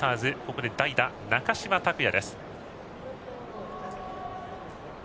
ここで代打の中島卓也です。